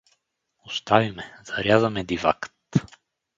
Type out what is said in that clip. — Остави ме, заряза ме, дивакът.